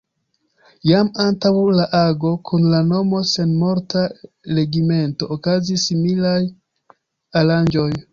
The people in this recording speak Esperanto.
Jam antaŭ la ago kun la nomo „Senmorta regimento” okazis similaj aranĝoj.